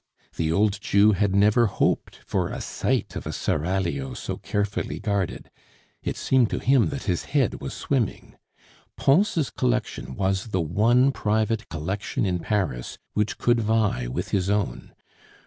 The old Jew had never hoped for a sight of a seraglio so carefully guarded; it seemed to him that his head was swimming. Pons' collection was the one private collection in Paris which could vie with his own.